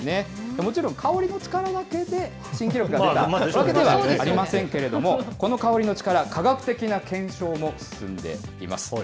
もちろん、香りの力だけで新記録が出たわけではありませんけれども、この香りの力、科学的な検証も進んでいます。